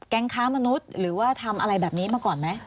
ค้ามนุษย์หรือว่าทำอะไรแบบนี้มาก่อนไหม